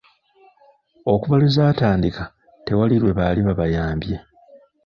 Okuva lwe zaatandika tewali lwe baali babayambye